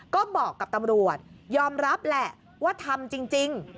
ก็บอกกับตำรวจยอมรับแหละว่าทำจริง